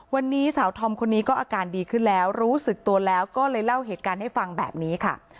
วันนี้สาวธอมคนนี้ก็อาการดีขึ้นแล้วรู้สึกตัวแล้วก็เลยเล่าเหตุการณ์ให้ฟังแบบนี้ค่ะ